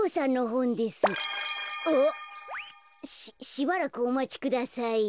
しばらくおまちください。